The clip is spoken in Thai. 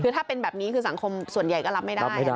คือถ้าเป็นแบบนี้คือสังคมส่วนใหญ่ก็รับไม่ได้